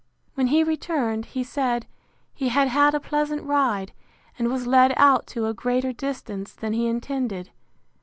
When he returned, he said, He had had a pleasant ride, and was led out to a greater distance than he intended.